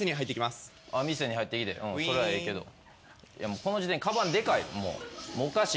この時点かばんでかい。